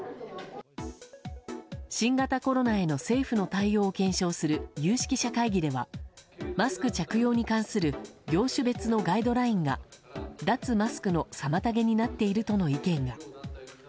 新型コロナへの政府の対応を検証する有識者会議ではマスク着用に関する業種別のガイドラインが脱マスクの妨げになっているとの意見が。